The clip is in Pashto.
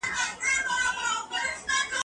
زه به سبا پاکوالي ساتم وم،